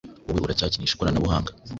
Wowe uracyakinisha ikoranabuhanga!